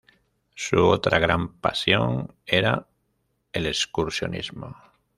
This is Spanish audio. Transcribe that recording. Su otra gran pasión era el excursionismo.